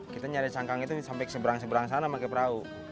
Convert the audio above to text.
kita nyari cangkang itu sampai seberang seberang sana pakai perahu